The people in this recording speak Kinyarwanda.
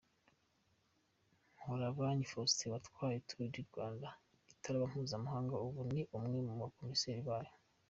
Mparabanyi Faustin watwaye Tour du Rwanda itaraba mpuzamahanga ubu ni umwe mu komiseri bayo.